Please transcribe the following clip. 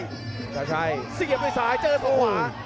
อินทาชัยเสียบด้วยสายเจอสะหวา